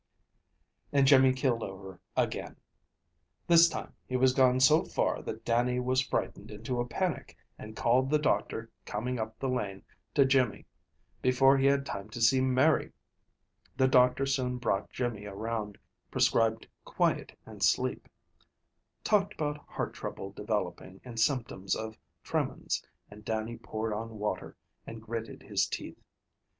And Jimmy keeled over again. This time he was gone so far that Dannie was frightened into a panic, and called the doctor coming up the lane to Jimmy before he had time to see Mary. The doctor soon brought Jimmy around, prescribed quiet and sleep; talked about heart trouble developing, and symptoms of tremens, and Dannie poured on water, and gritted his teeth.